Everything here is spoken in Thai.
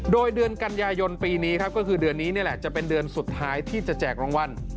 โดยเดือนกันยายนปีนี้ครับก็คือเดือนนี้นี่แหละจะเป็นเดือนสุดท้ายที่จะแจกรางวัล